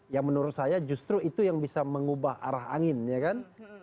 yang menurut saya justru itu yang bisa mengubah arah angin ya kan